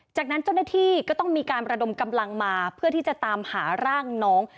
จากนั้นเจ้าหน้าที่ก็ต้องมีการระดมกำลังมาเพื่อที่จะตามหาร่างน้อง